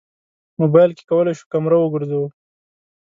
موبایل کې کولی شو کمره وګرځوو.